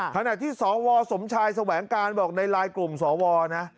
ขณะที่สศสมชายสวาการบอกในรายกลุ่มสศวนะ